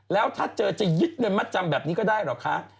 แล้วถ้าเจอจะยึดเงินมัดจำแบบนี้ก็ได้เหรอคะ